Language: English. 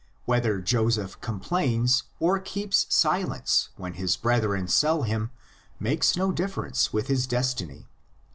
Whether Joseph complains or keeps silence, when his brethren sell him, makes no difference with his destiny.